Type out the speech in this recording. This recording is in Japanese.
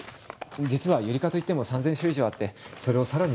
実はユリ科といっても３，０００種以上あってそれを更に分類すると。